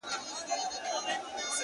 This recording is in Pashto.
o ژوند ټوله پند دی؛